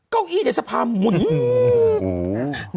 เก้าอี้ในสภาพหมุน